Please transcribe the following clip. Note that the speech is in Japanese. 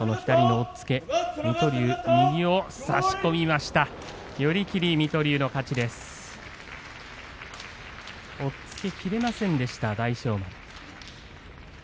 押っつけきれませんでした大翔丸です。